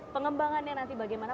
pengembangannya nanti bagaimana